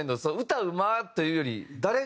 「歌うまっ！」というより。